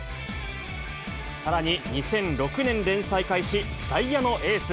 さらに２００６年連載開始、ダイヤのＡ。